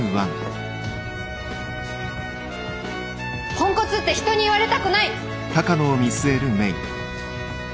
ポンコツって人に言われたくない！